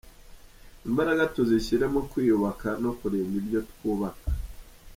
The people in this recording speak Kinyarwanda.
Imbaraga tuzishyire mu kwiyubaka no kurinda ibyo twubaka.”